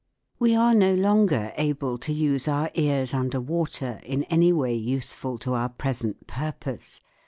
We are no longer able to use our ears under water in any way useful to our present purpose.